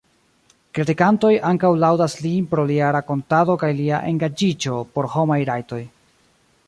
Kritikantoj ankaŭ laŭdas lin pro lia rakontado kaj lia engaĝiĝo por homaj rajtoj.